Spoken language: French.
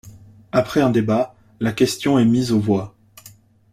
Après un débat, la question est mise aux voix.